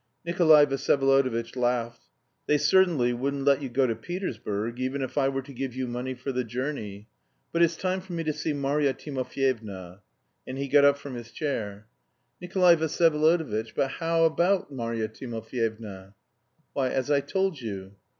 Nikolay Vsyevolodovitch laughed. "They certainly wouldn't let you go to Petersburg, even if I were to give you money for the journey.... But it's time for me to see Marya Timofyevna." And he got up from his chair. "Nikolay Vsyevolodovitch, but how about Marya Timofyevna?" "Why, as I told you."